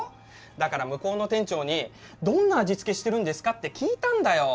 だから向こうの店長にどんな味付けしてるんですかって聞いたんだよ。